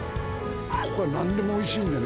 ここはなんでもおいしいんでね。